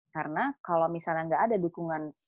karena kalau misalnya gak ada dukungan